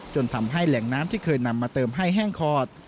ทำให้แหล่งน้ำที่เคยนำมาเติมให้แห้งคอด